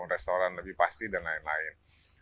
restoran lebih pasti dan lain lain